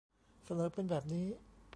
เสนอเป็นแบบนี้